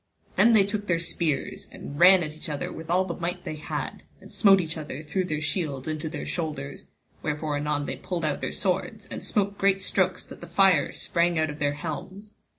Then they took their spears and ran each at other with all the might they had, and smote each other through their shields into their shoulders, wherefore anon they pulled out their swords, and smote great strokes that the fire sprang out of their helms.